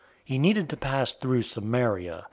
004:004 He needed to pass through Samaria.